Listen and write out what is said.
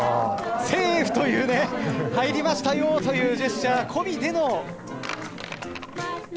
セーフというね入りましたよというジェスチャー込みでの。